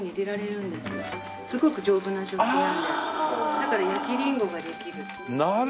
だから焼きリンゴができる。